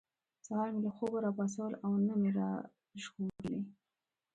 سهار مې له خوبه را پاڅول او نه مې را ژغورلي.